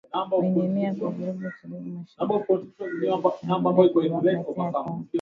wenye nia ya kuvuruga utulivu mashariki mwa Jamhuri ya kidemokrasia ya Kongo